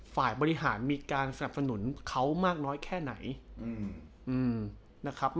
ฝ่ายบริหารมีการสนับสนุนเขามากน้อยแค่ไหนนะครับ